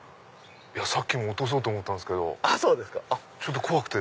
さっきも落とそうと思ったけど怖くて。